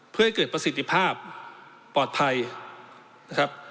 เพื่อให้เกิดประสิทธิภาพปลอดภัยนะครับ